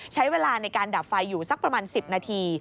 ใช้เวลาในการดับไฟอยู่สักประมาณ๑๐นาที